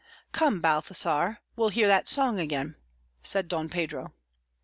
"Come, Balthasar, we'll hear that song again," said Don Pedro.